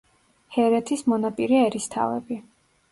ჰერეთის მონაპირე ერისთავები.